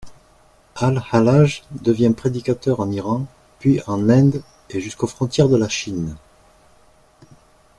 Al-Hallaj devint prédicateur en Iran, puis en Inde et jusqu’aux frontières de la Chine.